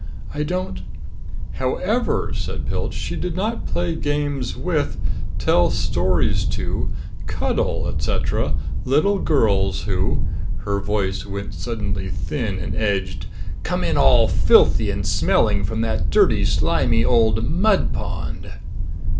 I don't " "However," said Pilch, "she did not play games with, tell stories to, cuddle, etcetera, little girls who" her voice went suddenly thin and edged "_come in all filthy and smelling from that dirty, slimy old mud pond!